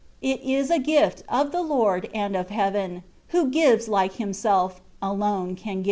It is a gift of the Lord and of heaven, who gives like Himself [alone can give."